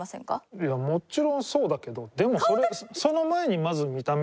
いやもちろんそうだけどでもそれその前にまず見た目じゃない？